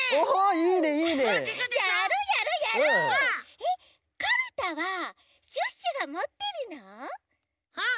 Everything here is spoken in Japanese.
えっカルタはシュッシュがもってるの？